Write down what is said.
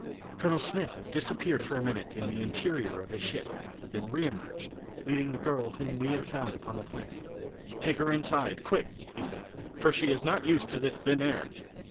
Colonel Smith disappeared for a minute in the interior of his ship, then re emerged, leading the girl whom we had found upon the planet. "Take her inside, quick," he said, "for she is not used to this thin air."